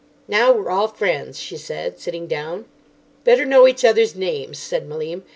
"Now we're all friends," she said, sitting down. "Better know each other's names," said Malim.